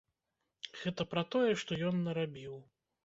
Гэта пра тое, што ён нарабіў.